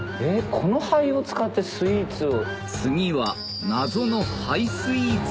この灰を使ってスイーツを？